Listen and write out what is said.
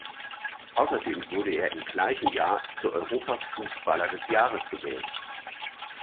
Außerdem wurde er im gleichen Jahr zu Europas Fußballer des Jahres gewählt.